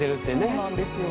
そうなんですよ。